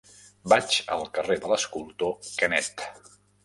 Vaig al carrer de l'Escultor Canet.